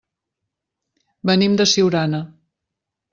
Venim de Siurana.